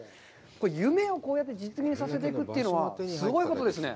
夢をこうやって実現させていくというのは、すごいことですね。